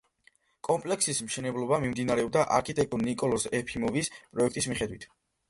კომპლექსის მშენებლობა მიმდინარეობდა არქიტექტორ ნიკოლოზ ეფიმოვის პროექტის მიხედვით.